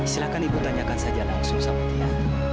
silahkan ibu tanyakan saja langsung sama dia